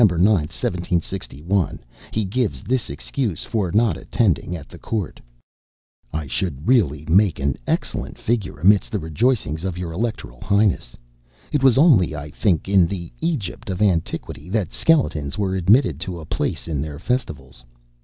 9, 1761, he gives this excuse for not attending at the court: "I should really make an excellent figure amidst the rejoicings of your electoral highness. It was only, I think, in the Egypt of antiquity that skeletons were admitted to a place in their festivals.